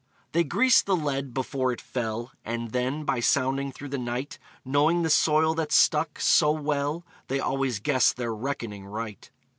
They greased the lead before it fell, And then, by sounding through the night, Knowing the soil that stuck, so well, They always guessed their reckoning right.